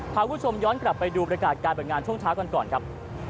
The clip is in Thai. พาคุณผู้ชมย้อนกลับไปดูประกาศการเปิดงานช่วงเช้ากันก่อนครับ